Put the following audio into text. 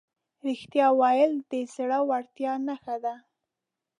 رښتیا ویل د زړهورتیا نښه ده.